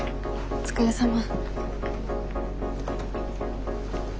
お疲れさま。